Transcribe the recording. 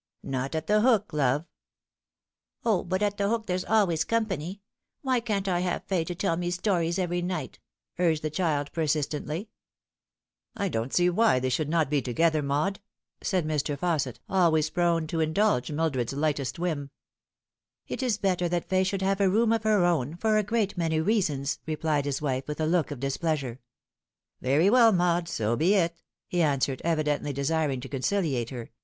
" Not at The Hook, love." " O, but at The Hook there's always company. Why can't I have Fay to tell me stories every night ?" urged the child per sistently. " I don't see why they should not be together, Maud," said Mr. Faussett, always prone to indulge Mildred's lightest whim. " It is better that Fay should have a room of her own, for a great many reasons," replied his wife, with a look of displeasure. " Very well, Maud, so be it," he answered, evidently desiring to conciliate her.